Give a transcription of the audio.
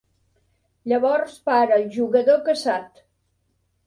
Llavors para el jugador caçat.